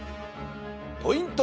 ポイント